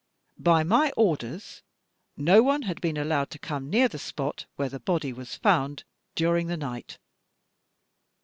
By my orders no one had been allowed to come near the spot where the body was f oimd during the night.